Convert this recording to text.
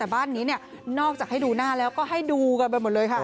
แต่บ้านนี้นอกจากให้ดูหน้าแล้วก็ให้ดูกันไปหมดเลยค่ะ